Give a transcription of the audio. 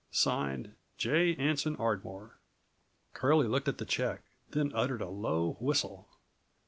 "(Signed) J. Anson Ardmore." Curlie looked at the check, then uttered a low whistle.